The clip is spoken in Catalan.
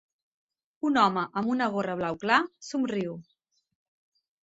Un home amb una gorra blau clar somriu.